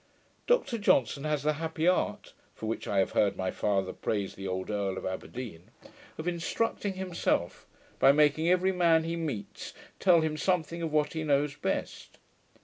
Dr Johnson has the happy art (for which I have heard my father praise the old Earl of Aberdeen) of instructing himself, by making every man he meets tell him something of what he knows best.